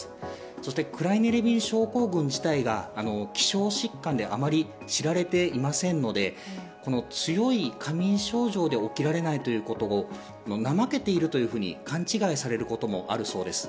そしてクライネ・レビン症候群自体が希少疾患であまり知られていませんので、強い過眠症状で起きられないということを怠けているというふうに勘違いされることもあるそうです。